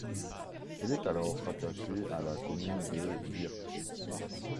Elle est alors rattachée à la commune de Weert.